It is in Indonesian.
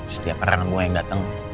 setiap orang nunggu yang dateng